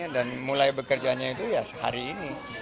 dan mulai bekerjaannya itu ya sehari ini